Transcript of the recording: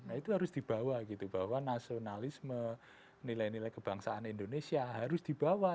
nah itu harus dibawa gitu bahwa nasionalisme nilai nilai kebangsaan indonesia harus dibawa